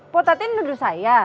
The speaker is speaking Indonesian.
potati nuduh saya